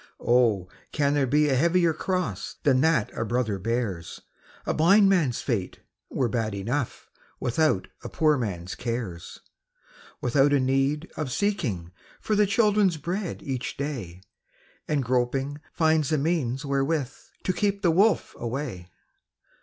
Oh, can there be a heavier cross Than that a brother bears? A blind man's fate were bad enough Without a poor man's cares ; \V ithout a need of seeking for The children's bread each day, And groping, finds the means wherewith To keep the wolf away.